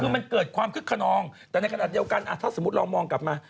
คือมันเกิดความคึกขนองแต่ในขณะเดียวกันถ้าสมมุติเรามองกลับมา